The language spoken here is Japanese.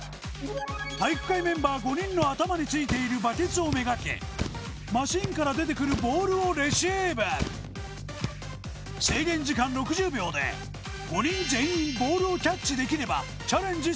体育会メンバー５人の頭についているバケツをめがけマシンから出てくるボールをレシーブ制限時間６０秒で５人全員ボールをキャッチできればチャレンジ